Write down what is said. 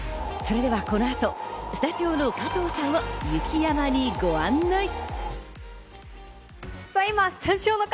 それではこの後、スタジオの加藤さんを雪山にご案内。